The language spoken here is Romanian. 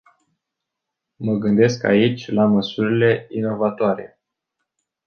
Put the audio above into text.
Mă gândesc aici la măsurile inovatoare.